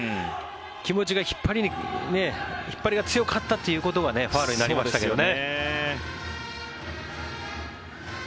気持ちが引っ張りが強かったということでファウルになりましたけどね。